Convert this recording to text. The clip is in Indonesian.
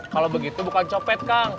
kalau begitu bukan copet kang